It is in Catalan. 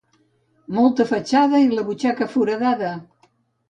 Molta fatxada i la butxaca foradada!